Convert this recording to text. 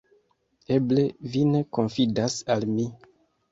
Eble vi ne konfidas al mi?